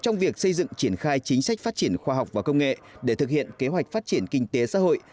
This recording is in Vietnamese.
trong việc xây dựng triển khai chính sách phát triển khoa học và công nghệ để thực hiện kế hoạch phát triển kinh tế xã hội